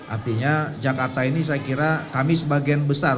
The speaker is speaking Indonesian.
artinya jakarta ini saya kira kami sebagian besar